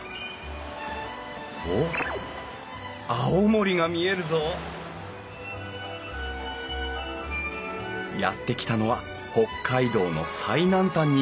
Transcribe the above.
おっ青森が見えるぞやって来たのは北海道の最南端に位置する松前町。